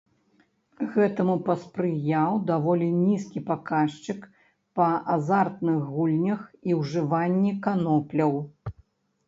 Гэтаму паспрыяў даволі нізкі паказчык па азартных гульнях і ўжыванні канопляў.